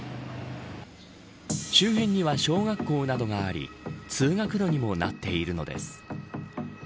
周辺には小学校などがあり通学路にもなっているのです。